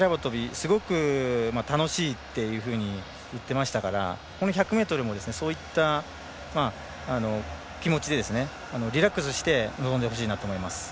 すごく楽しいっていうふうに言ってましたからこの１００ｍもそういった気持ちでリラックスして臨んでほしいなと思います。